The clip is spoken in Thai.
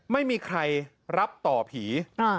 ไม่มีใครรับต่อผี